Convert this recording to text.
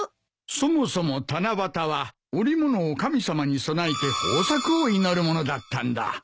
そもそも七夕は織物を神様に供えて豊作を祈るものだったんだ。